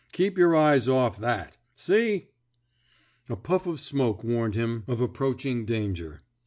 Keep your eyes off that. • Seet '* A puff of smoke warned him of approach ing danger.